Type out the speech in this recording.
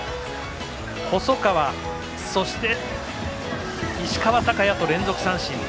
細川、そして、石川昂弥と連続三振。